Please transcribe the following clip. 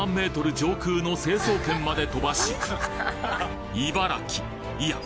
上空の成層圏まで飛ばし茨城いや